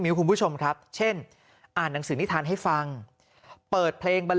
คุณผู้ชมครับเช่นอ่านหนังสือนิทานให้ฟังเปิดเพลงบรร